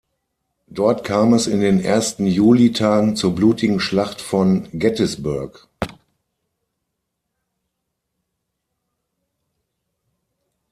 Dort kam es in den ersten Juli-Tagen zur blutigen Schlacht von Gettysburg.